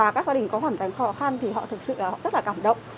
và các gia đình có hoàn cảnh khó khăn thì họ thật sự rất là cảm động